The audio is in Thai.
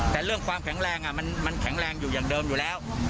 แต่เรื่องความแข็งแรงมันแข็งแรงอยู่อย่างเดิมอยู่แล้ว